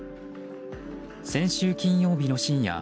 先週金曜日の深夜